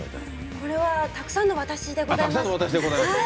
これはたくさんの私でございます。